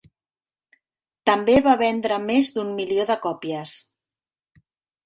També va vendre més d'un milió de còpies.